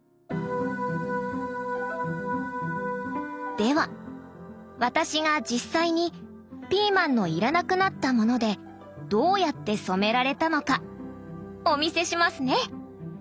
では私が実際にピーマンの要らなくなったものでどうやって染められたのかお見せしますね！